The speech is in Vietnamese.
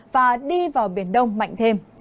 và đi vào biển đông mạnh thêm